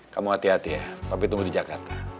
kamu hati hati ya tapi tunggu di jakarta